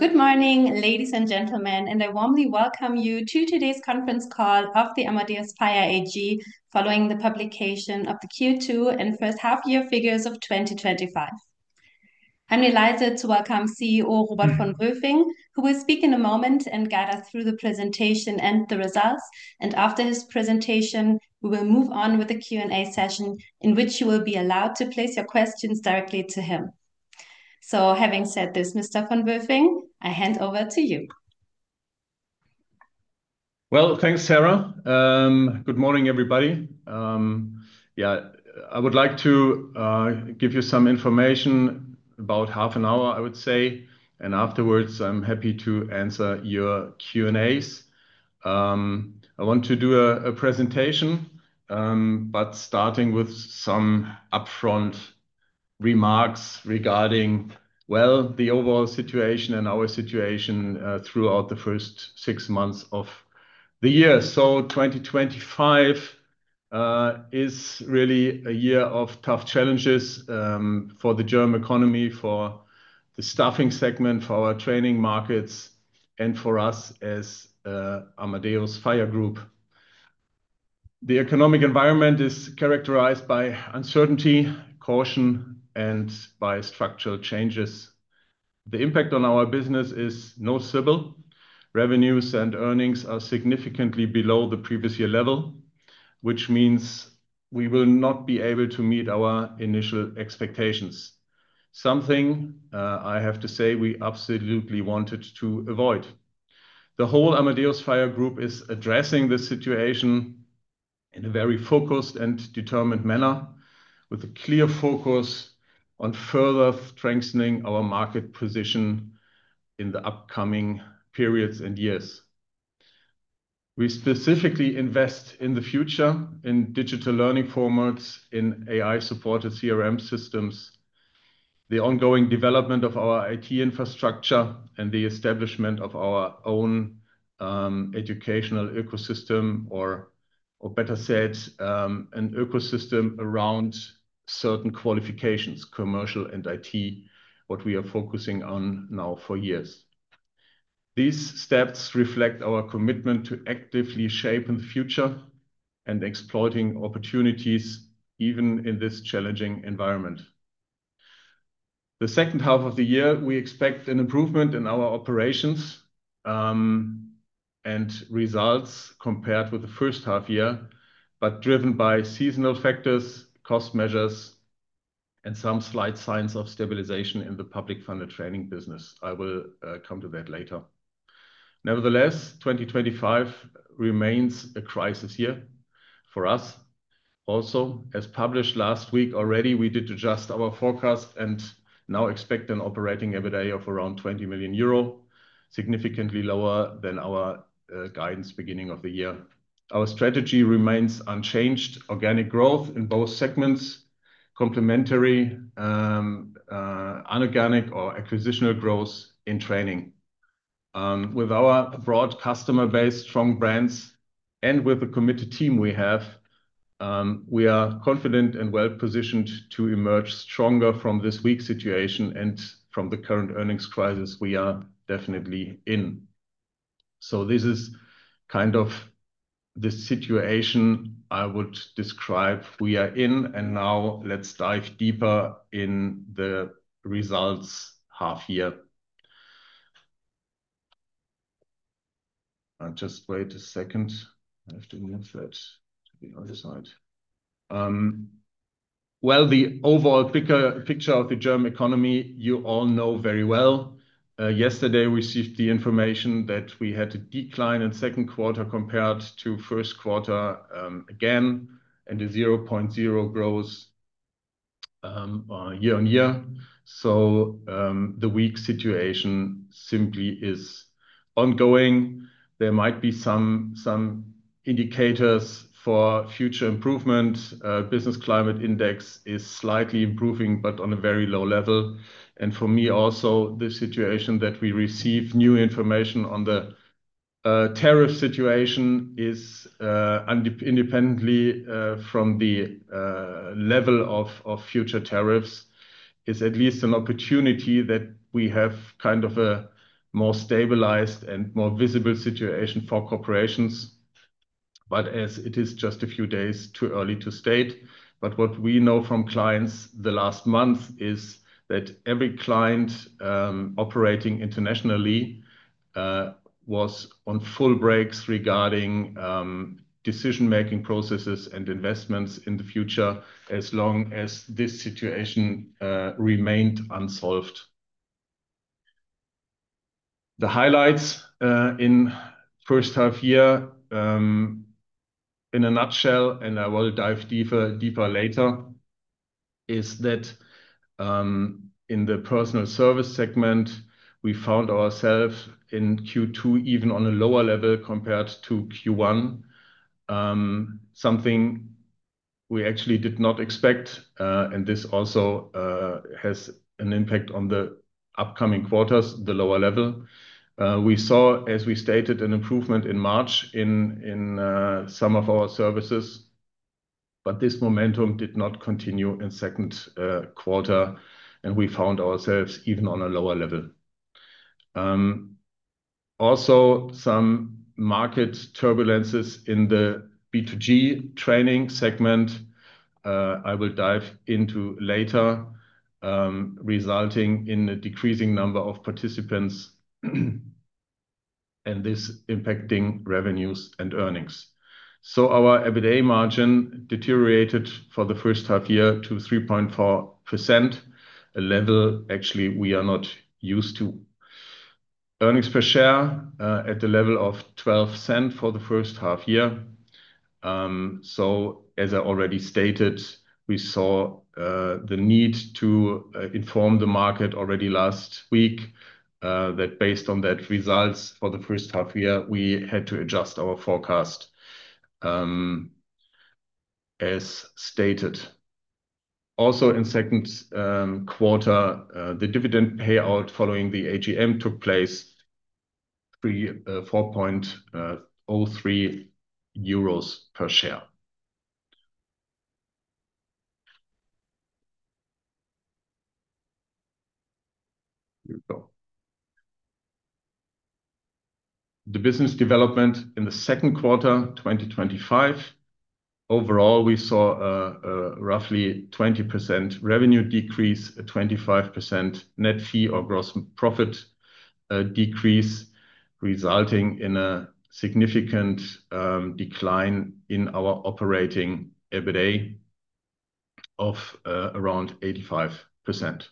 Good morning, ladies and gentlemen, I warmly welcome you to today's conference call of the Amadeus Fire AG following the publication of the Q2 and first half year figures of 2025. I'm delighted to welcome CEO Robert von Wülfing, who will speak in a moment and guide us through the presentation and the results. After his presentation, we will move on with the Q&A session in which you will be allowed to place your questions directly to him. Having said this, Mr. von Wülfing, I hand over to you. Thanks, Sarah. Good morning, everybody. I would like to give you some information, about half an hour I would say, and afterwards, I'm happy to answer your Q&As. I want to do a presentation, starting with some upfront remarks regarding the overall situation and our situation throughout the first six months of the year. 2025 is really a year of tough challenges for the German economy, for the staffing segment, for our training markets, and for us as Amadeus Fire Group. The economic environment is characterized by uncertainty, caution, and by structural changes. The impact on our business is noticeable. Revenues and earnings are significantly below the previous year level, which means we will not be able to meet our initial expectations. Something I have to say, we absolutely wanted to avoid. The whole Amadeus Fire Group is addressing this situation in a very focused and determined manner with a clear focus on further strengthening our market position in the upcoming periods and years. We specifically invest in the future in digital learning formats, in AI-supported CRM systems, the ongoing development of our IT infrastructure, and the establishment of our own educational ecosystem or better said, an ecosystem around certain qualifications, commercial and IT, what we are focusing on now for years. These steps reflect our commitment to actively shaping the future and exploiting opportunities even in this challenging environment. The second half of the year, we expect an improvement in our operations and results compared with the first half year, but driven by seasonal factors, cost measures, and some slight signs of stabilization in the public funded training business. I will come to that later. Nevertheless, 2025 remains a crisis year for us. As published last week already, we did adjust our forecast and now expect an operating EBITDA of around 20 million euro, significantly lower than our guidance beginning of the year. Our strategy remains unchanged. Organic growth in both segments. Complementary inorganic or acquisitional growth in training. With our broad customer base, strong brands, and with the committed team we have, we are confident and well-positioned to emerge stronger from this weak situation and from the current earnings crisis we are definitely in. This is kind of the situation I would describe we are in, and now let's dive deeper in the results half year. Just wait a second. I have to move that to the other side. Well, the overall picture of the German economy you all know very well. Yesterday we received the information that we had a decline in second quarter compared to first quarter, again, and a 0.0% growth year-on-year. The weak situation simply is ongoing. There might be some indicators for future improvement. Business climate index is slightly improving, but on a very low level. For me also, the situation that we receive new information on the tariff situation is independently from the level of future tariffs, is at least an opportunity that we have kind of a more stabilized and more visible situation for corporations. As it is just a few days too early to state. What we know from clients the last month is that every client, operating internationally, was on full breaks regarding decision-making processes and investments in the future as long as this situation remained unsolved. The highlights in H1, in a nutshell, and I will dive deeper later, is that in the Personnel Services segment, we found ourselves in Q2 even on a lower level compared to Q1. Something we actually did not expect, and this also has an impact on the upcoming quarters, the lower level. We saw, as we stated, an improvement in March in some of our services. This momentum did not continue in Q2, and we found ourselves even on a lower level. Some market turbulences in the B2G training segment, I will dive into later, resulting in a decreasing number of participants, and this impacting revenues and earnings. Our EBITDA margin deteriorated for the first half year to 3.4%, a level actually we are not used to. Earnings per share at the level of 0.12 for the first half year. As I already stated, we saw the need to inform the market already last week that based on that results for the first half year, we had to adjust our forecast as stated. In second quarter, the dividend payout following the AGM took place 4.03 euros per share. Here we go. The business development in the second quarter 2025. Overall, we saw a roughly 20% revenue decrease, a 25% net fee or gross profit decrease, resulting in a significant decline in our operating EBITDA of around 85%.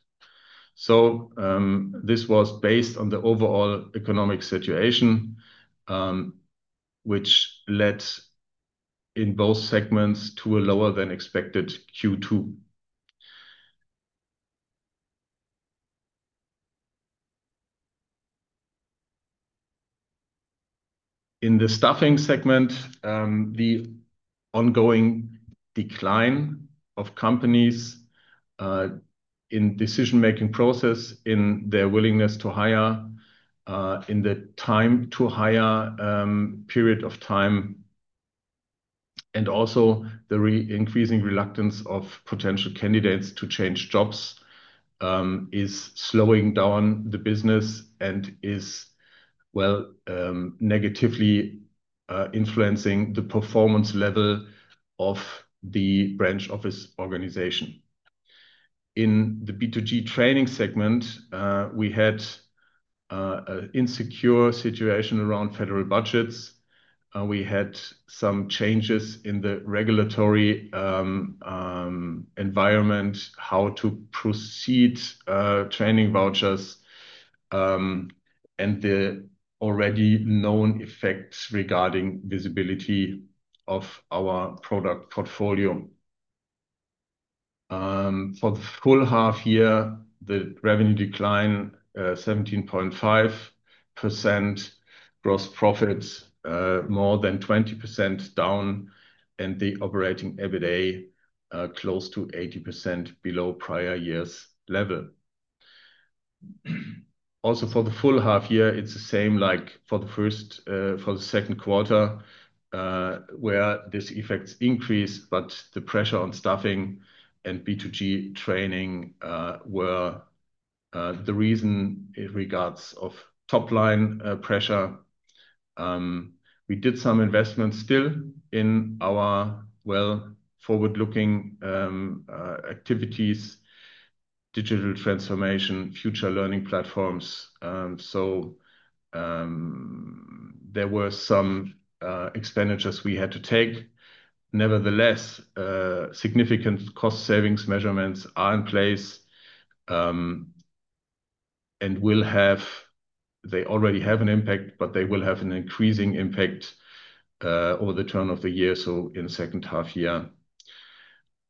This was based on the overall economic situation, which led in both segments to a lower than expected Q2. In the staffing segment, the ongoing decline of companies in decision-making process, in their willingness to hire, in the time to hire period of time, and also the re-increasing reluctance of potential candidates to change jobs, is slowing down the business and is, well, negatively influencing the performance level of the branch office organization. In the B2G training segment, we had a insecure situation around federal budgets. We had some changes in the regulatory environment, how to proceed training vouchers, and the already known effects regarding visibility of our product portfolio. For the full half year, the revenue decline 17.5%. Gross profits more than 20% down, and the operating EBITDA close to 80% below prior year's level. Also, for the full half year, it's the same like for the second quarter, where these effects increase, but the pressure on staffing and B2G training were the reason in regards of top-line pressure. We did some investments still in our, well, forward-looking activities, digital transformation, future learning platforms. There were some expenditures we had to take. Nevertheless, significant cost savings measurements are in place, and They already have an impact, but they will have an increasing impact over the turn of the year, so in the second half year.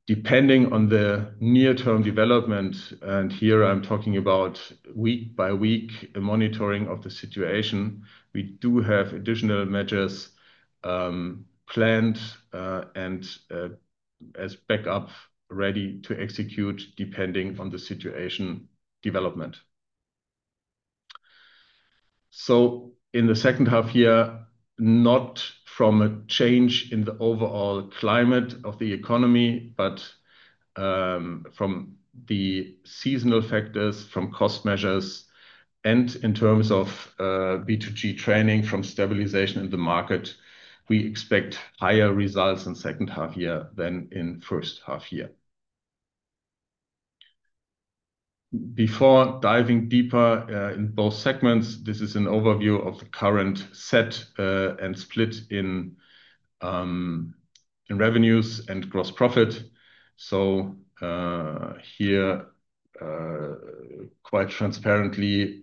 Depending on the near-term development, and here I'm talking about week-by-week monitoring of the situation, we do have additional measures planned, and as backup ready to execute depending on the situation development. In the second half year, not from a change in the overall climate of the economy, but from the seasonal factors, from cost measures, and in terms of B2G training from stabilization in the market, we expect higher results in second half year than in first half year. Before diving deeper, in both segments, this is an overview of the current set and split in revenues and gross profit. Here, quite transparently,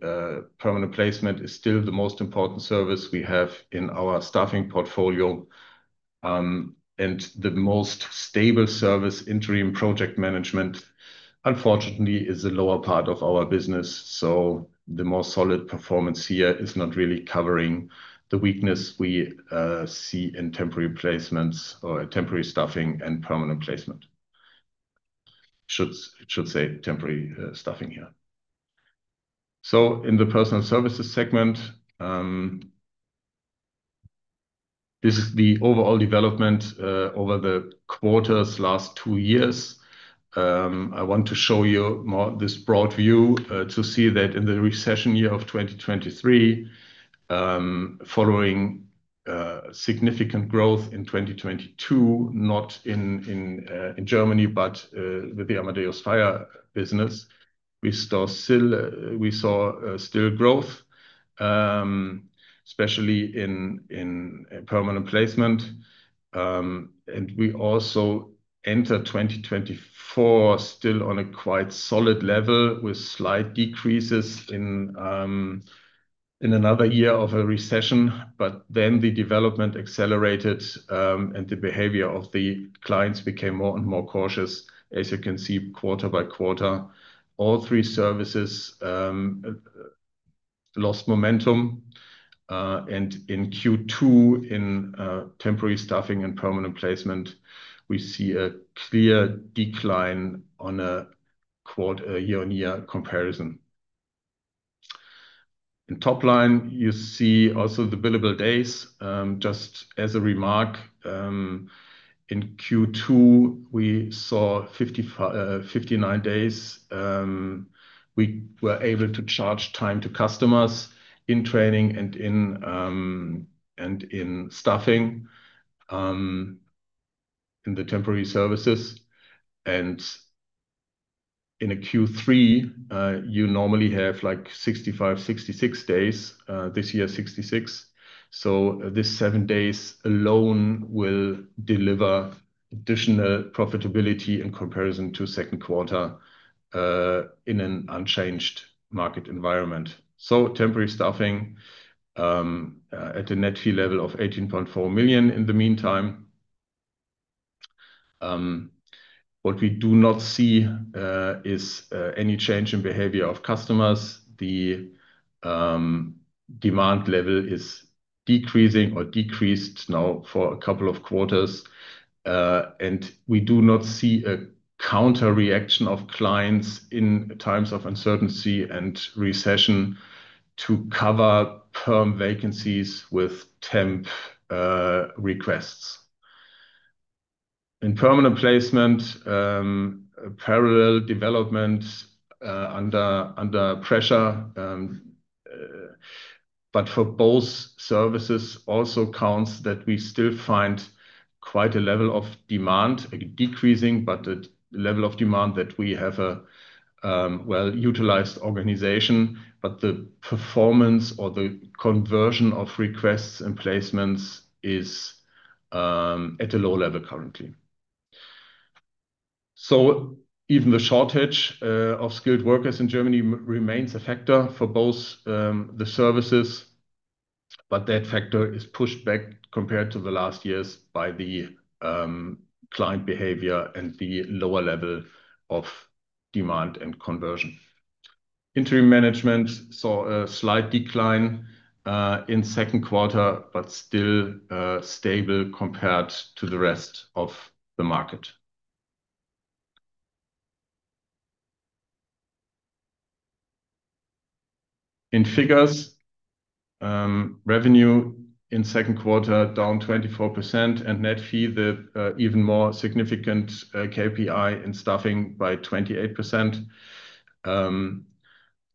permanent placement is still the most important service we have in our staffing portfolio, and the most stable service, interim project management, unfortunately, is the lower part of our business. The more solid performance here is not really covering the weakness we see in temporary placements or temporary staffing and permanent placement. Should say temporary staffing here. In the Personnel Services segment, this is the overall development over the quarters last two years. I want to show you more this broad view to see that in the recession year of 2023, following significant growth in 2022, not in Germany but with the Amadeus Fire business, we saw still growth, especially in permanent placement. We also enter 2024 still on a quite solid level with slight decreases in another year of a recession. The development accelerated, and the behavior of the clients became more and more cautious. As you can see, quarter by quarter, all three services lost momentum. In Q2, in temporary staffing and permanent placement, we see a clear decline on a year-on-year comparison. In top line, you see also the billable days. Just as a remark, in Q2, we saw 59 days we were able to charge time to customers in training and in and in staffing in the temporary services. In a Q3, you normally have like 65, 66 days. This year, 66. This seven days alone will deliver additional profitability in comparison to second quarter in an unchanged market environment. Temporary staffing at a net fee level of 18.4 million in the meantime. What we do not see is any change in behavior of customers. The demand level is decreasing or decreased now for a couple of quarters. We do not see a counter reaction of clients in times of uncertainty and recession to cover perm vacancies with temp requests. In permanent placement, parallel development, under pressure. For both services also counts that we still find quite a level of demand decreasing, but the level of demand that we have a well-utilized organization, but the performance or the conversion of requests and placements is at a low level currently. Even the shortage of skilled workers in Germany remains a factor for both the services, but that factor is pushed back compared to the last years by the client behavior and the lower level of demand and conversion. Interim management saw a slight decline in second quarter, but still stable compared to the rest of the market. In figures, revenue in second quarter down 24% and net fee, the even more significant KPI in staffing by 28%,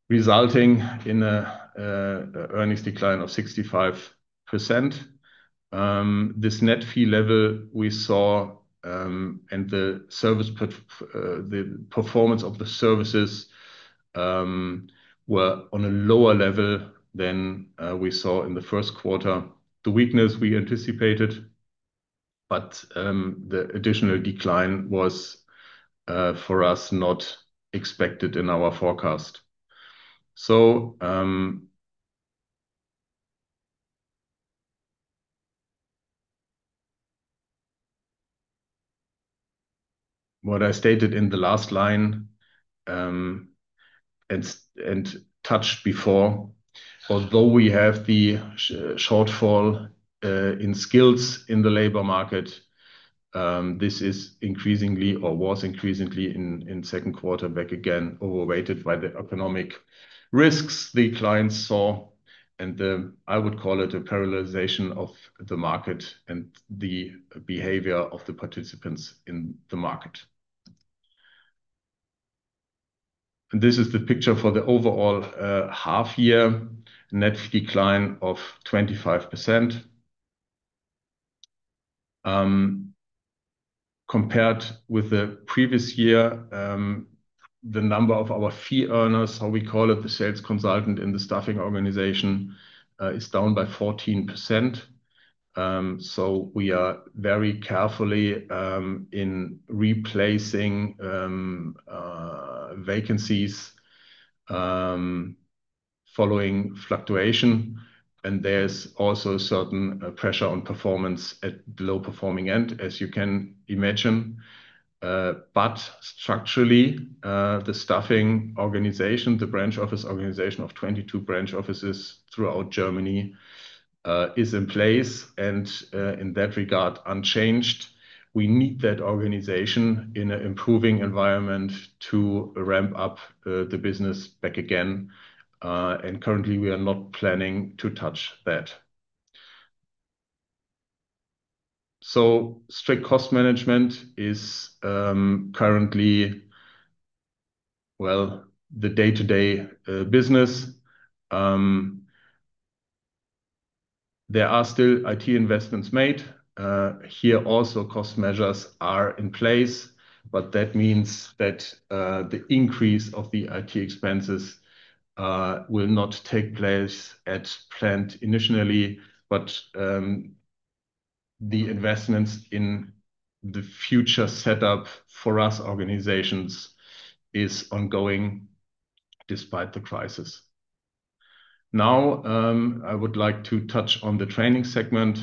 resulting in a earnings decline of 65%. This net fee level we saw, and the performance of the services, were on a lower level than we saw in the first quarter. The weakness we anticipated, but the additional decline was for us not expected in our forecast. What I stated in the last line, and touched before, although we have the shortfall in skills in the labor market, this is increasingly or was increasingly in second quarter back again, overrated by the economic risks the clients saw and the, I would call it a paralyzation of the market and the behavior of the participants in the market. This is the picture for the overall half year. Net decline of 25%. Compared with the previous year, the number of our fee earners, how we call it the sales consultant in the staffing organization, is down by 14%. We are very carefully in replacing vacancies following fluctuation. There's also certain pressure on performance at the low-performing end, as you can imagine. Structurally, the staffing organization, the branch office organization of 22 branch offices throughout Germany, is in place and, in that regard, unchanged. We need that organization in an improving environment to ramp up the business back again. Currently, we are not planning to touch that. So strict cost management is currently, well, the day-to-day business. There are still IT investments made. Here also, cost measures are in place, that means that the increase of the IT expenses will not take place as planned initially. The investments in the future setup for us organizations is ongoing despite the crisis. Now, I would like to touch on the training segment.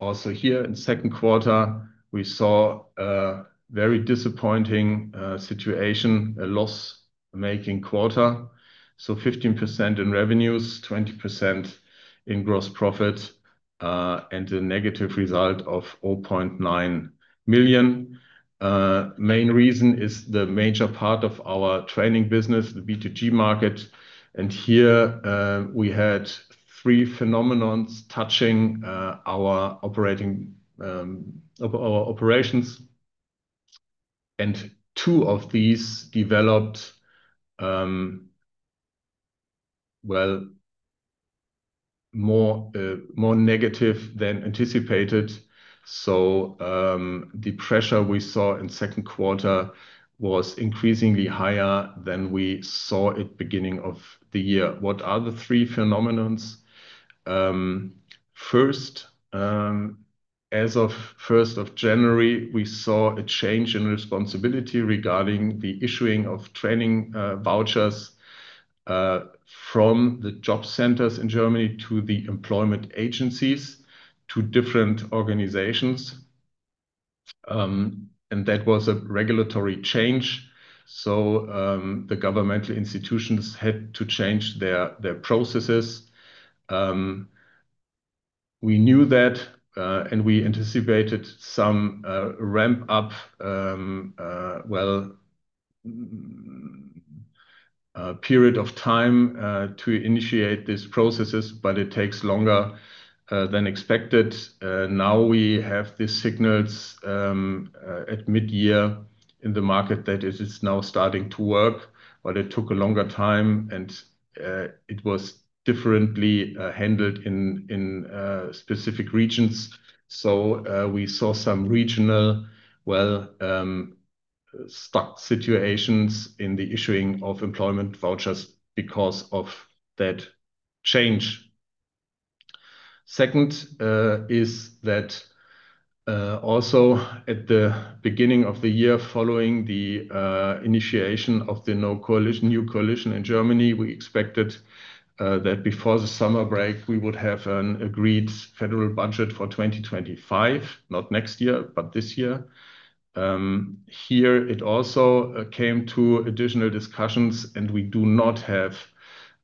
Also here in Q2, we saw a very disappointing situation, a loss-making quarter. 15% in revenues, 20% in gross profit, and a negative result of 0.9 million. Main reason is the major part of our training business, the B2G market, and here, we had three phenomenons touching our operating operations. Two of these developed, well, more negative than anticipated. The pressure we saw in second quarter was increasingly higher than we saw at beginning of the year. What are the three phenomenons? First, as of 1st of January, we saw a change in responsibility regarding the issuing of training vouchers from the job centers in Germany to the employment agencies, to different organizations. That was a regulatory change, the governmental institutions had to change their processes. We knew that, and we anticipated some ramp-up, well, period of time to initiate these processes, but it takes longer than expected. Now we have the signals at mid-year in the market that it is now starting to work, but it took a longer time and it was differently handled in specific regions. We saw some regional, well, stuck situations in the issuing of employment vouchers because of that change. Second, is that also at the beginning of the year, following the initiation of the new coalition in Germany, we expected that before the summer break, we would have an agreed federal budget for 2025, not next year, but this year. Here it also came to additional discussions. We do not have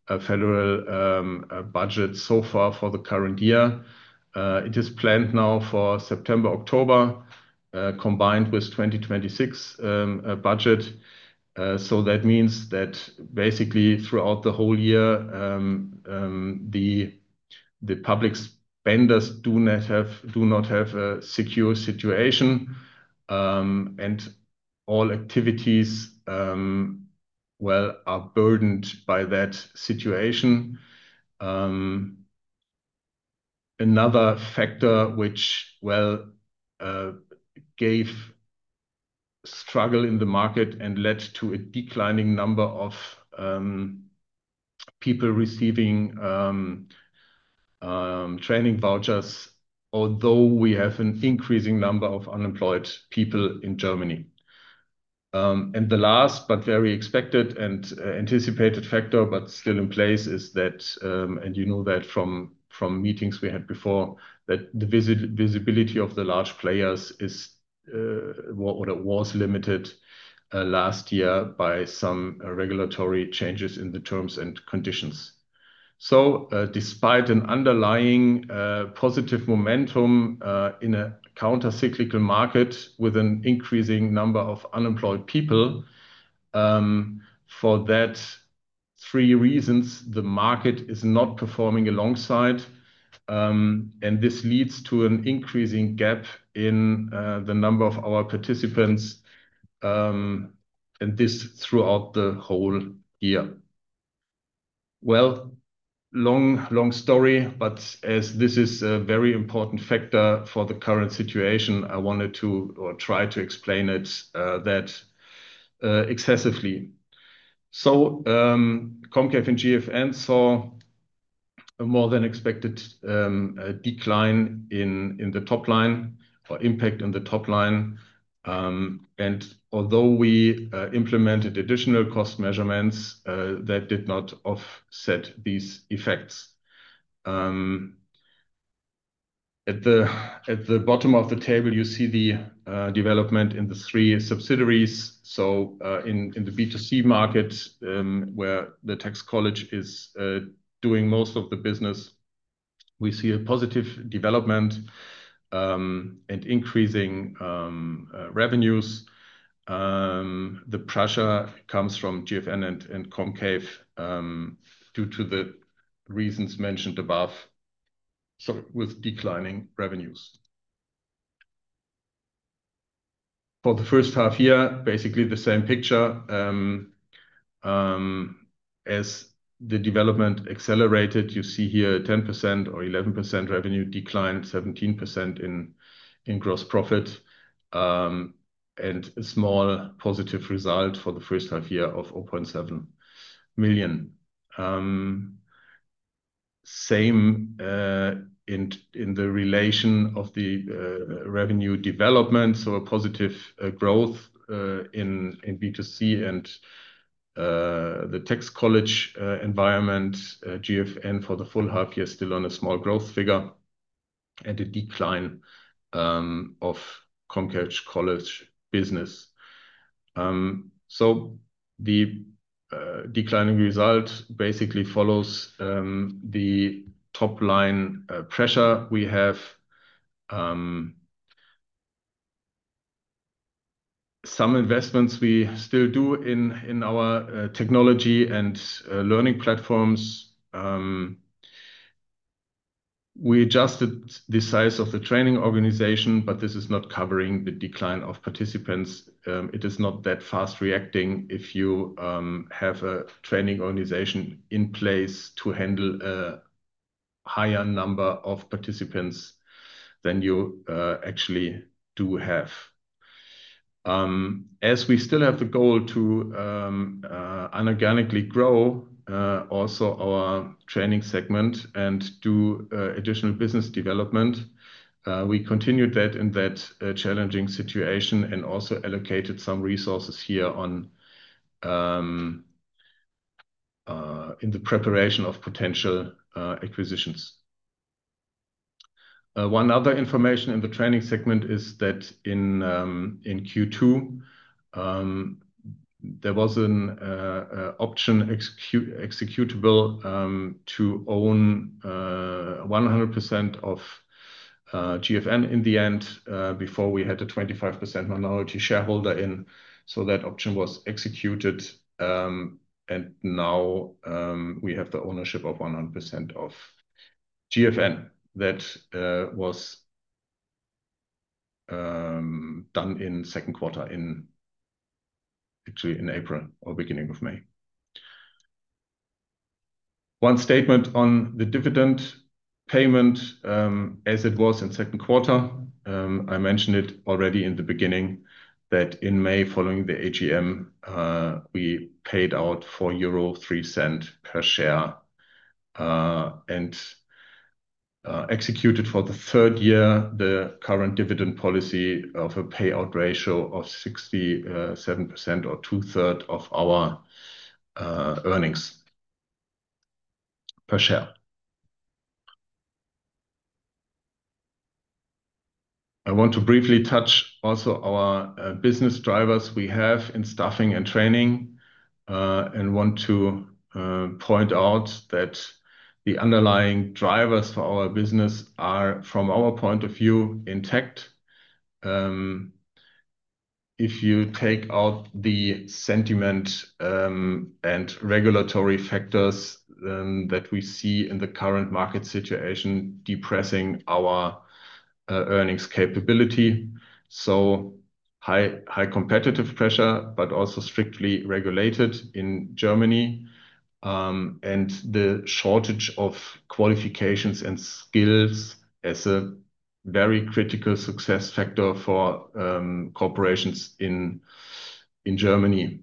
a federal budget so far for the current year. It is planned now for September, October, combined with 2026 budget. That means that basically throughout the whole year, the public spenders do not have a secure situation. All activities, well, are burdened by that situation. Another factor which, well, gave struggle in the market and led to a declining number of people receiving training vouchers, although we have an increasing number of unemployed people in Germany. The last but very expected and anticipated factor, but still in place is that, and you know that from meetings we had before, that the visibility of the large players is, or it was limited last year by some regulatory changes in the terms and conditions. Despite an underlying positive momentum in a countercyclical market with an increasing number of unemployed people, for that three reasons, the market is not performing alongside. This leads to an increasing gap in the number of our participants, and this throughout the whole year. Long, long story, but as this is a very important factor for the current situation, I wanted to or try to explain it that excessively. COMCAVE and GFN saw a more than expected decline in the top line or impact on the top line. Although we implemented additional cost measurements, that did not offset these effects. At the bottom of the table, you see the development in the three subsidiaries. In the B2C market, where the Tax College is doing most of the business, we see a positive development and increasing revenues. The pressure comes from GFN and COMCAVE due to the reasons mentioned above. With declining revenues. For the first half year, basically the same picture, as the development accelerated, you see here 10% or 11% revenue decline, 17% in gross profit, and a small positive result for the first half year of 0.7 million. Same in the relation of the revenue development, so a positive growth in B2C and the Tax College environment. GFN for the full half year still on a small growth figure and a decline of COMCAVE.COLLEGE business. The declining result basically follows the top-line pressure we have. Some investments we still do in our technology and learning platforms. We adjusted the size of the training organization, but this is not covering the decline of participants. It is not that fast reacting if you have a training organization in place to handle a higher number of participants than you actually do have. As we still have the goal to inorganically grow also our training segment and do additional business development, we continued that in that challenging situation and also allocated some resources here on in the preparation of potential acquisitions. One other information in the training segment is that in Q2 there was an option executable to own 100% of GFN in the end, before we had a 25% minority shareholder in. That option was executed, and now we have the ownership of 100% of GFN. That was done in second quarter actually in April or beginning of May. One statement on the dividend payment, as it was in second quarter, I mentioned it already in the beginning that in May, following the AGM, we paid out 4.03 euro per share and executed for the third year the current dividend policy of a payout ratio of 67% or 2/3 of our earnings per share. I want to briefly touch also our business drivers we have in staffing and training and want to point out that the underlying drivers for our business are, from our point of view, intact. If you take out the sentiment and regulatory factors that we see in the current market situation depressing our earnings capability. High competitive pressure, but also strictly regulated in Germany, and the shortage of qualifications and skills as a very critical success factor for corporations in Germany.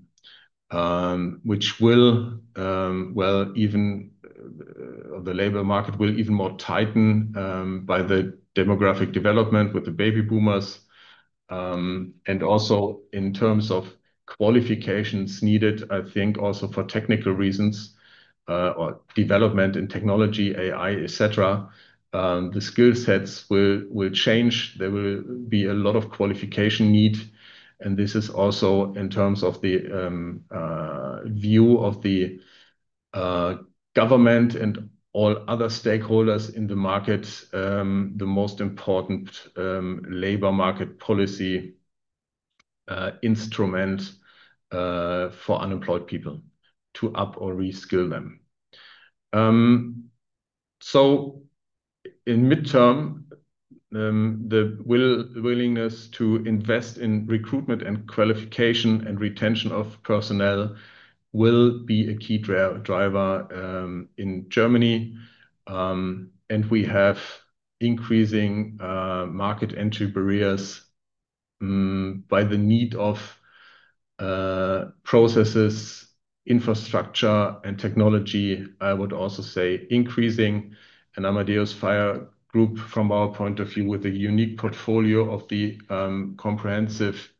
Which will, well, even the labor market will even more tighten by the demographic development with the baby boomers. And also in terms of qualifications needed, I think also for technical reasons, or development in technology, AI, etcetera, the skill sets will change. There will be a lot of qualification need, and this is also in terms of the view of the government and all other stakeholders in the market, the most important labor market policy instrument for unemployed people to up or reskill them. In midterm, the willingness to invest in recruitment and qualification and retention of personnel will be a key driver in Germany. We have increasing market entry barriers by the need of processes, infrastructure and technology. I would also say increasing and Amadeus Fire Group from our point of view with a unique portfolio of the comprehensive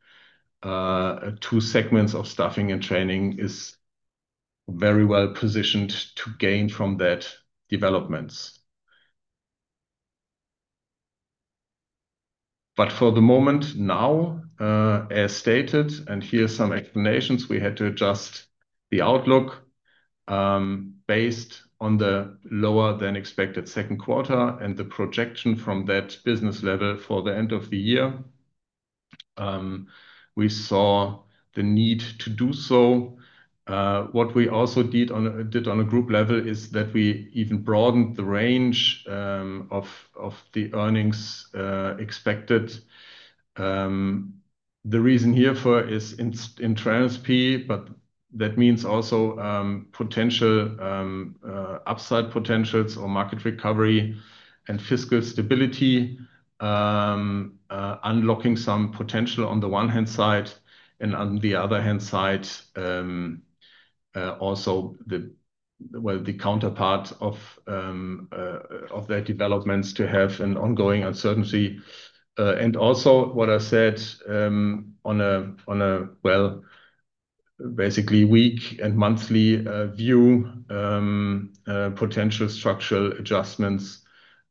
two segments of staffing and training is very well-positioned to gain from that developments. For the moment now, as stated, and here are some explanations, we had to adjust the outlook based on the lower than expected second quarter and the projection from that business level for the end of the year. We saw the need to do so. What we also did on a Group level is that we even broadened the range of the earnings expected. The reason here for is in transparent, but that means also potential upside potentials or market recovery and fiscal stability. Unlocking some potential on the one-hand side and on the other hand side, also the counterpart of their developments to have an ongoing uncertainty. Also what I said on a, well, basically week and monthly view, potential structural adjustments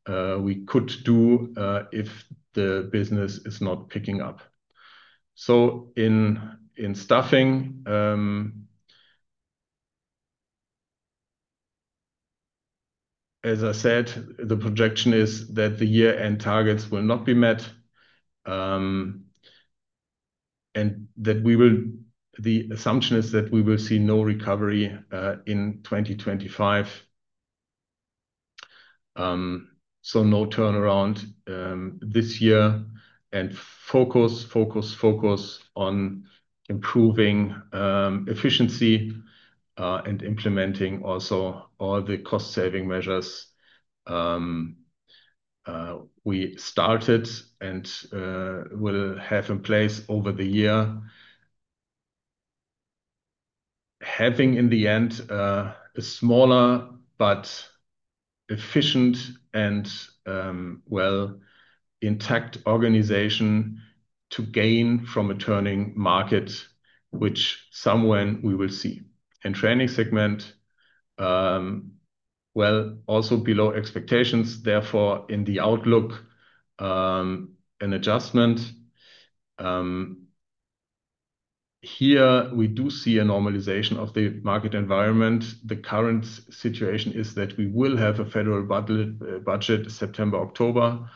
we could do if the business is not picking up. In staffing, as I said, the projection is that the year-end targets will not be met, and the assumption is that we will see no recovery in 2025. No turnaround this year. Focus on improving efficiency and implementing also all the cost-saving measures we started and will have in place over the year. Having in the end a smaller but efficient and well, intact organization to gain from a turning market which someone we will see. In training segment, well, also below expectations, therefore, in the outlook, an adjustment. Here we do see a normalization of the market environment. The current situation is that we will have a federal budget September, October.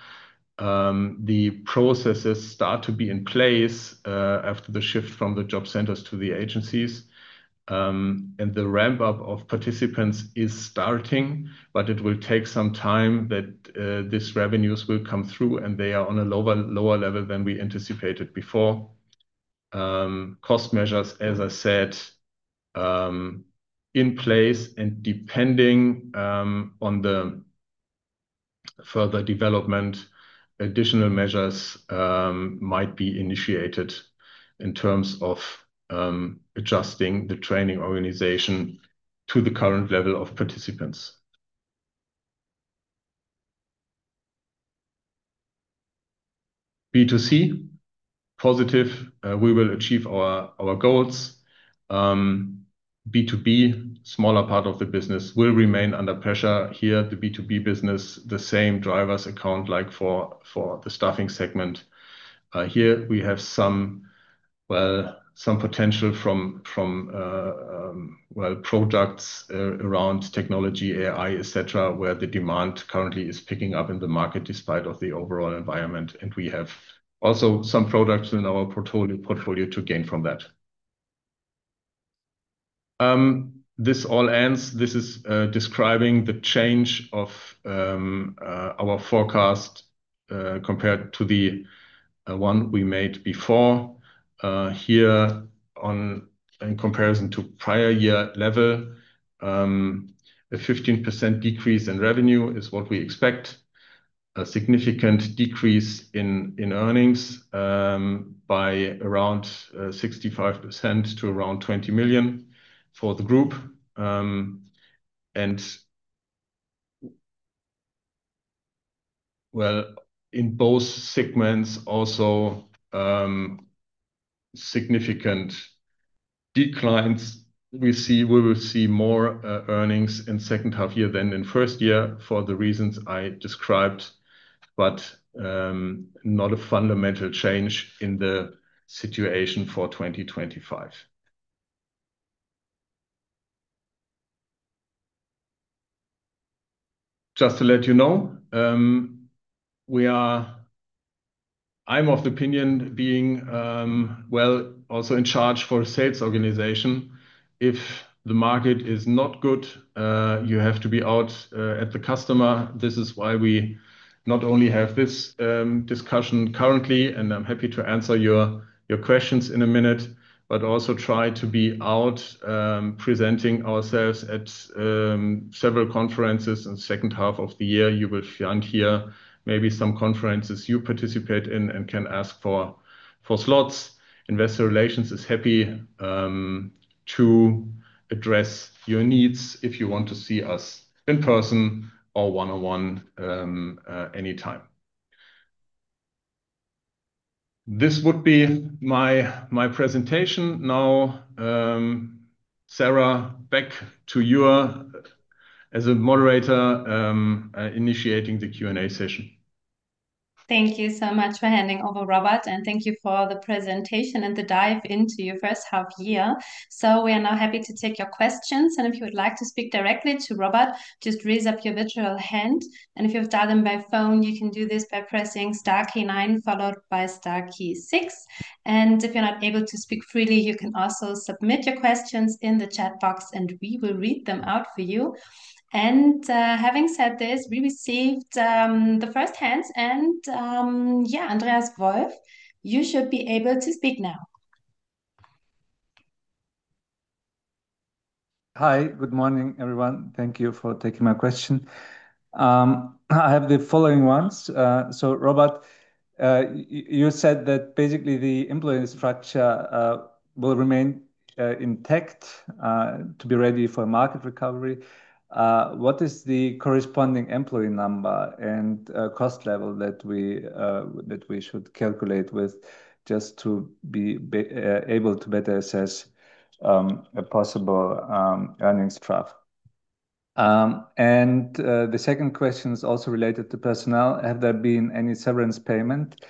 The processes start to be in place after the shift from the job centers to the agencies. The ramp-up of participants is starting, but it will take some time that this revenues will come through, and they are on a lower level than we anticipated before. Cost measures, as I said, in place and depending on the further development, additional measures might be initiated in terms of adjusting the training organization to the current level of participants. B2C, positive. We will achieve our goals. B2B, smaller part of the business will remain under pressure here. The B2B business, the same drivers account like for the staffing segment. Here we have some, well, some potential from, well, products around technology, AI, et cetera, where the demand currently is picking up in the market despite of the overall environment. We have also some products in our portfolio to gain from that. This all ends. This is describing the change of our forecast compared to the one we made before. Here in comparison to prior year level, a 15% decrease in revenue is what we expect. A significant decrease in earnings by around 65% to around 20 million for the group. Well, in both segments also, significant declines. We will see more earnings in second half year than in first year for the reasons I described. Not a fundamental change in the situation for 2025. Just to let you know, I'm of the opinion being, also in charge for sales organization. If the market is not good, you have to be out at the customer. This is why we not only have this discussion currently, and I'm happy to answer your questions in a minute. Also try to be out, presenting ourselves at several conferences in H2 of the year. You will find here maybe some conferences you participate in and can ask for slots. Investor relations is happy to address your needs if you want to see us in person or one-on-one anytime. This would be my presentation. Now, Sarah, back to you as a moderator, initiating the Q&A session. Thank you so much for handing over, Robert, thank you for the presentation and the dive into your first half year. We are now happy to take your questions, if you would like to speak directly to Robert, just raise up your virtual hand. If you've dialed in by phone, you can do this by pressing star-key nine followed by star-key six. If you're not able to speak freely, you can also submit your questions in the chat box and we will read them out for you. Having said this, we received the first hands, Andreas Wolf, you should be able to speak now. Hi. Good morning, everyone. Thank you for taking my question. I have the following ones. Robert, you said that basically the employee structure will remain intact to be ready for market recovery. What is the corresponding employee number and cost level that we that we should calculate with just to be able to better assess a possible earnings trough? The second question is also related to personnel. Have there been any severance payment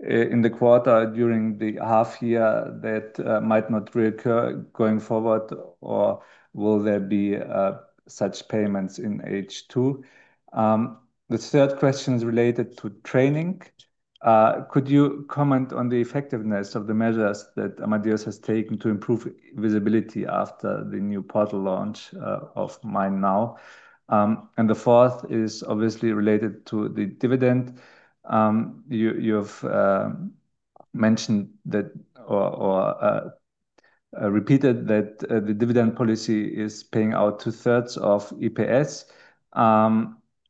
in the quarter during the half year that might not reoccur going forward, or will there be such payments in H2? The third question is related to training. Could you comment on the effectiveness of the measures that Amadeus has taken to improve visibility after the new portal launch of mein Now? The fourth is obviously related to the dividend. You've mentioned that or repeated that the dividend policy is paying out 2/3 of EPS.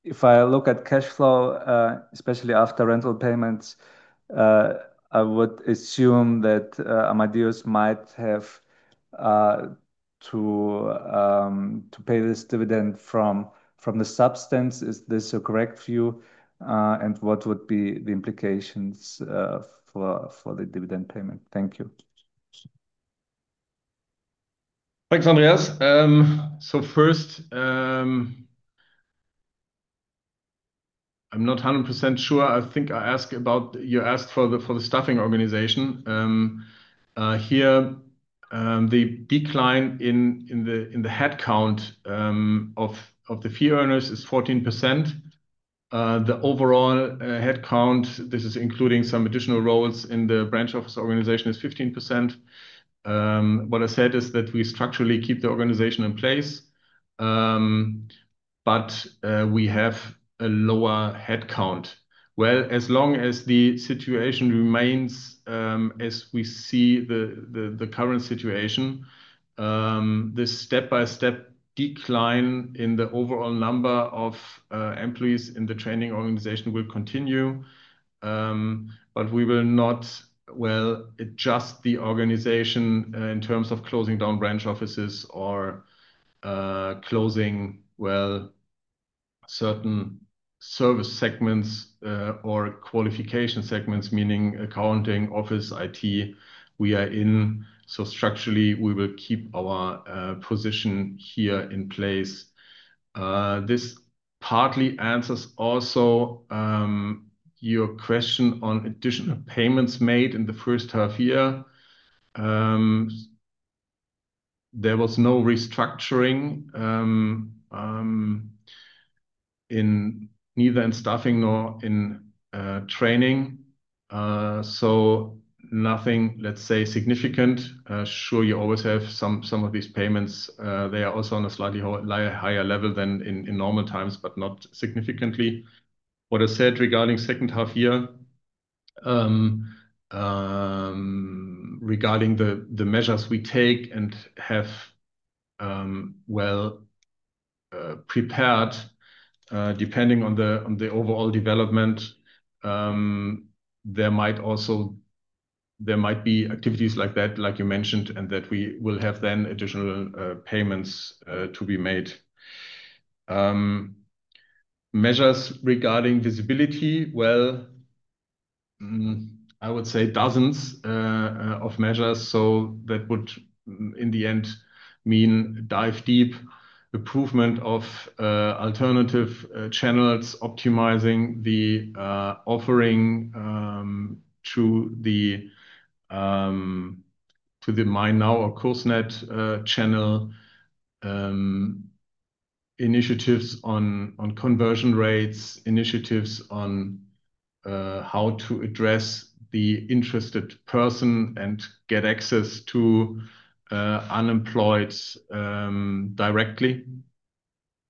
If I look at cash flow, especially after rental payments, I would assume that Amadeus might have to pay this dividend from the substance. Is this a correct view? What would be the implications for the dividend payment? Thank you. Thanks, Andreas. First, I'm not 100% sure. You asked for the, for the staffing organization. Here, the decline in the headcount of the fee earners is 14%. The overall headcount, this is including some additional roles in the branch office organization, is 15%. What I said is that we structurally keep the organization in place, we have a lower head count. Well, as long as the situation remains, as we see the current situation, the step-by-step decline in the overall number of employees in the training organization will continue. We will not, well, adjust the organization in terms of closing down branch offices or closing, well, certain service segments or qualification segments, meaning accounting, office, IT. Structurally, we will keep our position here in place. This partly answers also your question on additional payments made in the first half year. There was no restructuring neither in staffing nor in training. Nothing, let's say, significant. Sure, you always have some of these payments. They are also on a slightly higher level than in normal times, but not significantly. What I said regarding second half year, regarding the measures we take and have, well, prepared, depending on the overall development, there might be activities like that, like you mentioned, and that we will have then additional payments to be made. Measures regarding visibility, I would say dozens of measures, that would in the end mean dive deep, improvement of alternative channels, optimizing the offering to the mein NOW or KURSNET channel, initiatives on conversion rates, initiatives on how to address the interested person and get access to unemployed directly.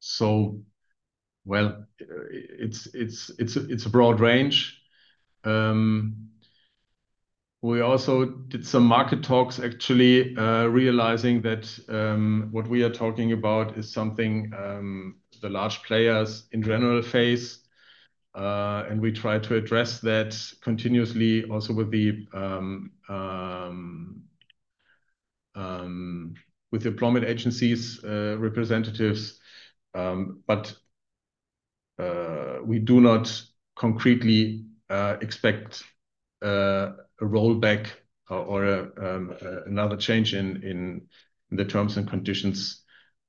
It's a broad range. We also did some market talks actually, realizing that what we are talking about is something the large players in general face, and we try to address that continuously also with the employment agencies representatives. We do not concretely expect a rollback or another change in the terms and conditions,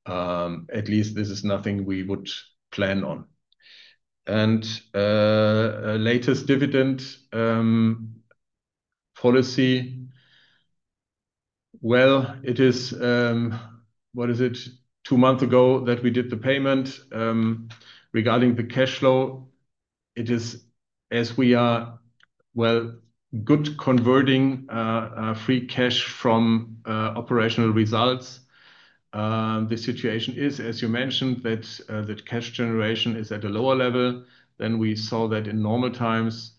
at least this is nothing we would plan on. Latest dividend policy, well, it is, what is it? Two months ago that we did the payment. Regarding the cash flow, it is as we are, well, good converting free cash from operational results. The situation is, as you mentioned, that cash generation is at a lower level than we saw that in normal times.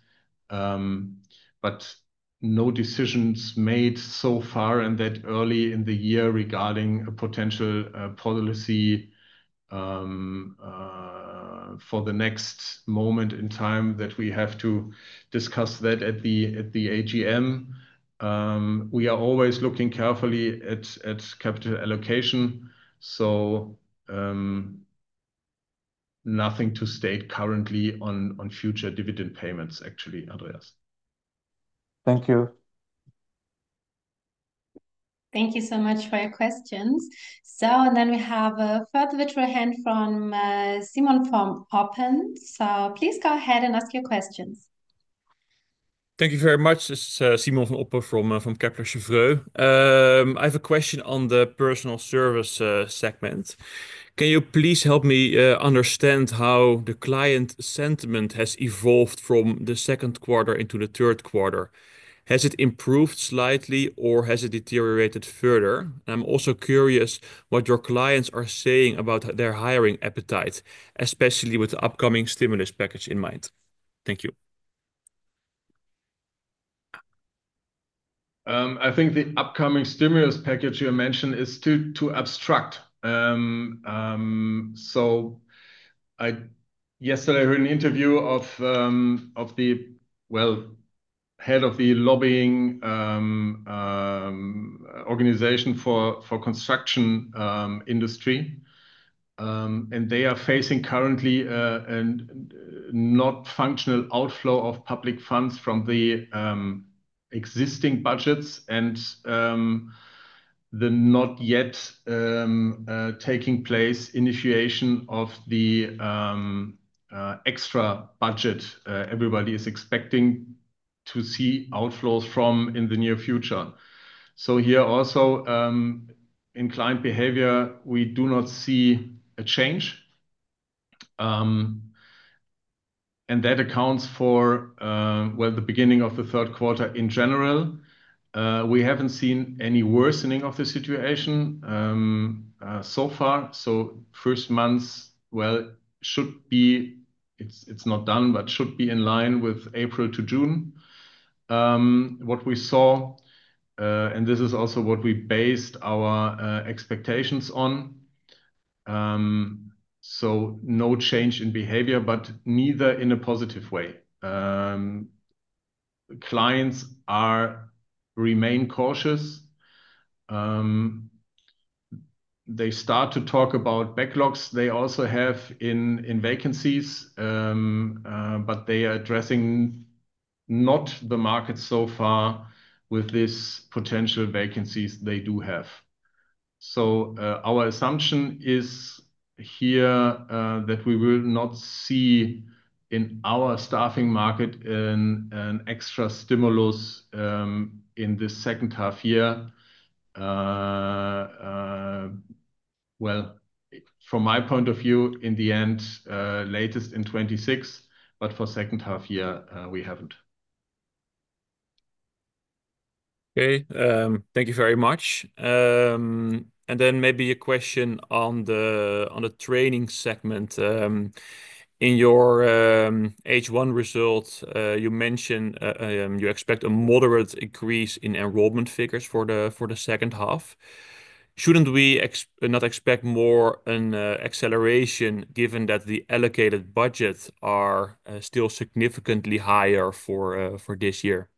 No decisions made so far and that early in the year regarding a potential policy for the next moment in time that we have to discuss that at the AGM. We are always looking carefully at capital allocation. Nothing to state currently on future dividend payments actually, Andreas. Thank you. Thank you so much for your questions. We have a further virtual hand from Simon van Oppen. Please go ahead and ask your questions. Thank you very much. This is Simon van Oppen from Kepler Cheuvreux. I have a question on the Personnel Services segment. Can you please help me understand how the client sentiment has evolved from the second quarter into the third quarter? Has it improved slightly or has it deteriorated further? I'm also curious what your clients are saying about their hiring appetite, especially with the upcoming stimulus package in mind. Thank you. I think the upcoming stimulus package you mentioned is too abstract. Yesterday I heard an interview of the, well, head of the lobbying organization for construction industry. They are facing currently a not functional outflow of public funds from the existing budgets and the not yet taking place initiation of the extra budget everybody is expecting to see outflows from in the near future. Here also, in client behavior, we do not see a change. That accounts for, well, the beginning of the third quarter in general. We haven't seen any worsening of the situation so far. First months, well, should be. It's not done, but should be in line with April to June. What we saw, and this is also what we based our expectations on, no change in behavior, but neither in a positive way. Clients remain cautious. They start to talk about backlogs they also have in vacancies, but they are addressing not the market so far with this potential vacancies they do have. Our assumption is here that we will not see in our staffing market an extra stimulus in this second half year. From my point of view, in the end, latest in 2026, but for second half year, we haven't. Okay. Thank you very much. Then maybe a question on the training segment. In your H1 results, you mentioned, you expect a moderate increase in enrollment figures for the second half. Shouldn't we not expect more an acceleration given that the allocated budgets are still significantly higher for this year?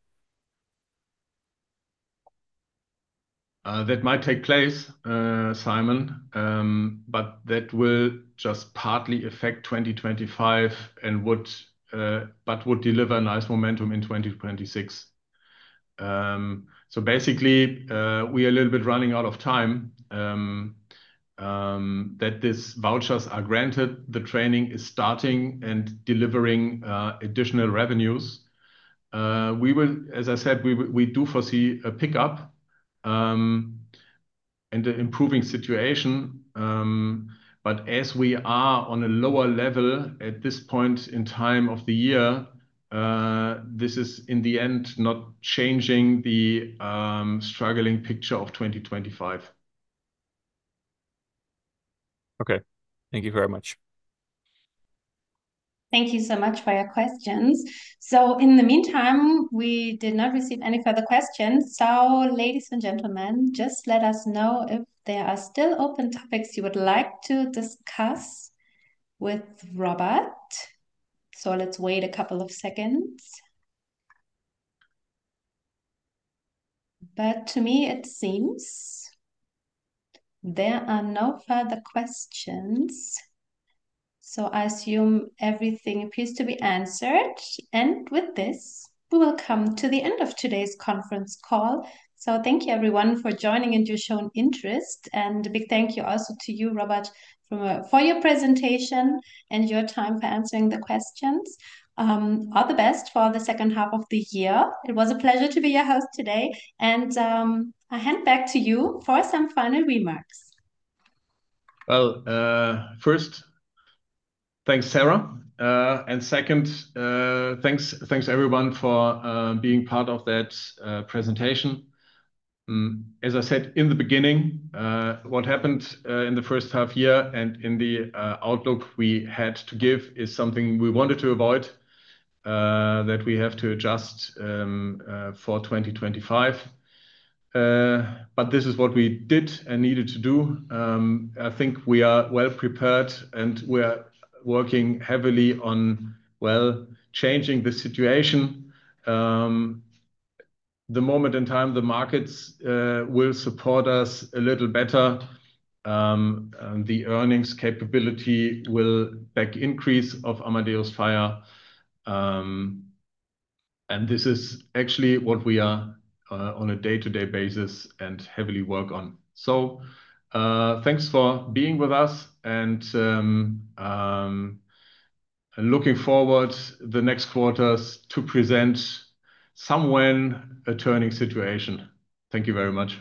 That might take place, Simon. That will just partly affect 2025 and would deliver nice momentum in 2026. Basically, we are a little bit running out of time that these vouchers are granted, the training is starting and delivering additional revenues. As I said, we do foresee a pickup and an improving situation. As we are on a lower level at this point in time of the year, this is in the end not changing the struggling picture of 2025. Okay. Thank you very much. Thank you so much for your questions. In the meantime, we did not receive any further questions. Ladies and gentlemen, just let us know if there are still open topics you would like to discuss with Robert. Let's wait a couple of seconds. To me, it seems there are no further questions. I assume everything appears to be answered. With this, we will come to the end of today's conference call. Thank you everyone for joining and your shown interest. A big thank you also to you, Robert, for your presentation and your time for answering the questions. All the best for the second half of the year. It was a pleasure to be your host today. I hand back to you for some final remarks. Well, first, thanks, Sarah. Second, thanks everyone for being part of that presentation. As I said in the beginning, what happened in the first half year and in the outlook we had to give is something we wanted to avoid that we have to adjust for 2025. This is what we did and needed to do. I think we are well prepared, and we are working heavily on, well, changing the situation. The moment in time the markets will support us a little better. The earnings capability will back increase of Amadeus Fire. This is actually what we are on a day-to-day basis and heavily work on. Thanks for being with us, and looking forward the next quarters to present someone a turning situation. Thank you very much.